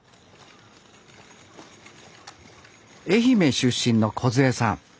愛媛出身のこずえさん。